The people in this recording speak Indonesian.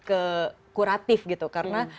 ke kuratif gitu karena